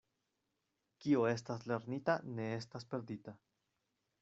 Kio estas lernita, ne estas perdita.